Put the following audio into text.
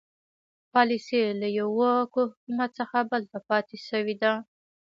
پالیسي له یوه حکومت څخه بل ته پاتې شوې ده.